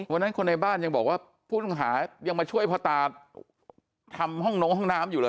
วันนั้นคนในบ้านยังบอกว่าผู้ต้องหายังมาช่วยพ่อตาทำห้องน้องห้องน้ำอยู่เลย